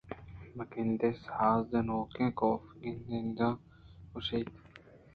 بہ گندے ساز جنوکے؟ کافءَکندانءَگوٛشت